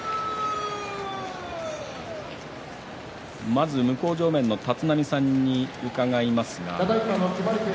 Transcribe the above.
まず向正面の立浪さんに伺います。